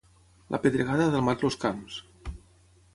La pedregada ha delmat els camps.